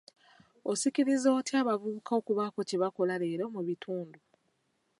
Osikiriza otya abavubuka okubaako kye bakola leero mu bitundu?